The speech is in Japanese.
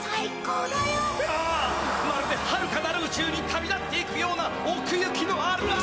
ああまるではるかなるうちゅうに旅立っていくようなおくゆきのある味！